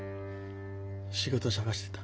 仕事探してた。